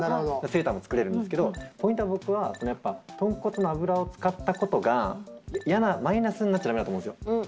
セーターも作れるんですけどポイントは僕はやっぱとんこつの油を使ったことがマイナスになっちゃ駄目だと思うんですよ。